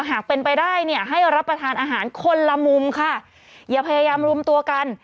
หากเป็นไปได้เนี่ยให้รับประทานอาหารคนละมุมค่ะอย่าพยายามรวมตัวกัน